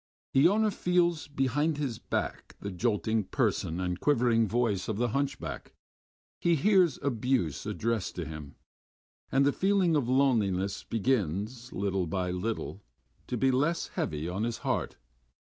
Iona feels behind his back the jolting person and quivering voice of the hunchback. He hears abuse addressed to him, he sees people, and the feeling of loneliness begins little by little to be less heavy on his heart.